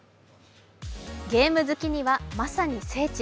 ゲーム好きにはまさに聖地。